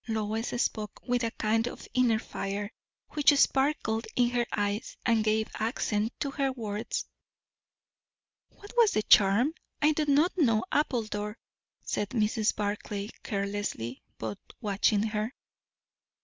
Lois spoke with a kind of inner fire, which sparkled in her eyes and gave accent to her words. "What was the charm? I do not know Appledore," said Mrs. Barclay carelessly, but watching her.